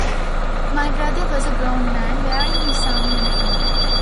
My brother was a grown man, wearing his Army uniform.